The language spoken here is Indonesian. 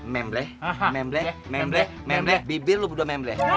membleh membleh membleh membleh bibir lu berdua membleh